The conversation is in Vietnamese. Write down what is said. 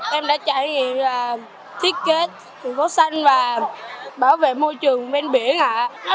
hãy biết nhiều hơn và muốn bảo vệ môi trường để việt nam mình sạch đẹp hơn ạ